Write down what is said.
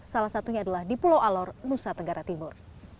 salah satunya adalah di pulau alor nusa tenggara timur